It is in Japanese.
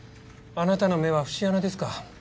あなたの目は節穴ですか。